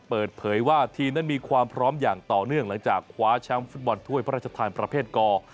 เปิดเผยว่าทีมนั้นมีความพร้อมอย่างต่อเนื่องหลังจากคว้าแชมป์ฟุตบอลถ้วยพระราชทานประเภทกอ